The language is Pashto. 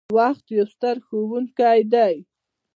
• وخت یو ستر ښوونکی دی.